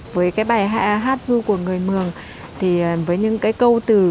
với cái bài hát du của người mường thì với những cái câu từ